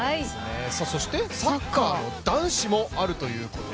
そして、サッカー男子もあるということで。